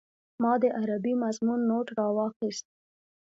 ما د عربي مضمون نوټ راواخيست.